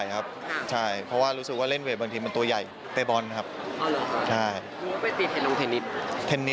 หลักจะเล่นไปทั้งเล่น